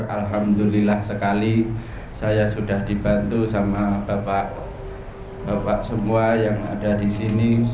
alhamdulillah sekali saya sudah dibantu sama bapak semua yang ada di sini